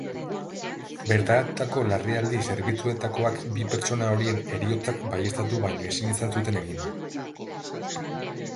Bertaratutako larrialdi zerbitzuetakoak bi pertsona horien heriotzak baieztatu baino ezin izan zuten egin.